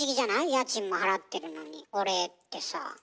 家賃も払ってるのにお礼ってさあ。